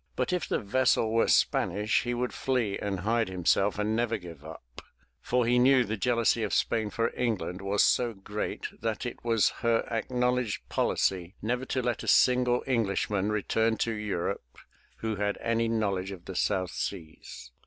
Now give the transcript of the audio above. But if the vessel were Spanish, he would fiee and hide himself and never give up, for he knew the jealousy of Spain for England was so great that it was her acknowledged policy never to let a single Englishman return to Europe who had any knowledge of the South Seas.